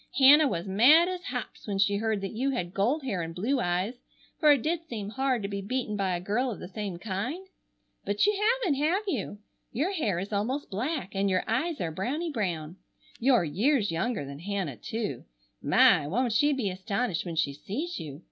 Hannah was mad as hops when she heard that you had gold hair and blue eyes, for it did seem hard to be beaten by a girl of the same kind? but you haven't, have you? Your hair is almost black and your eyes are brownie brown. You're years younger than Hannah, too. My! Won't she be astonished when she sees you!